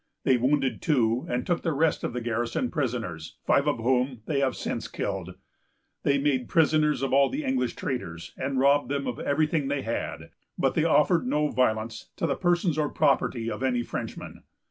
They wounded two, and took the rest of the garrison prisoners, five of whom they have since killed. "They made prisoners all the English traders, and robbed them of every thing they had; but they offered no violence to the persons or property of any of the Frenchmen."